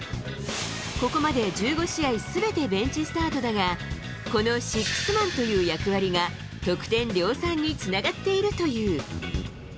ここまで１５試合すべてベンチスタートだが、このシックスマンという役割が、得点量産につながっているという。